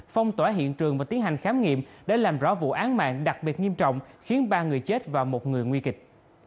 phong tỏa hiện trường và tiến hành khám nghiệm để làm rõ vụ án mạng đặc biệt nghiêm trọng khiến ba người chết và một người nguy kịch